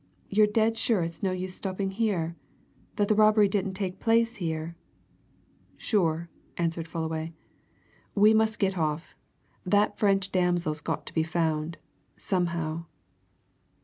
"You're dead sure it's no use stopping here? that the robbery didn't take place here?" "Sure!" answered Fullaway. "We must get off. That French damsel's got to be found somehow."